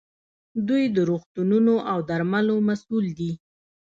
دوی د روغتونونو او درملو مسوول دي.